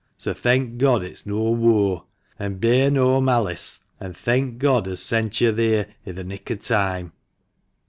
So thenk God it's no waur, an' bear no malice ; an' thenk God as sent yo' theer i' the nick o' time."